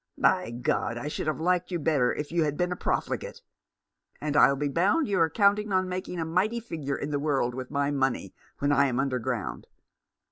By G , I should have liked you better if you had been a profligate. And I'll be bound you are counting on making a mighty figure in the world with my money when I am under ground.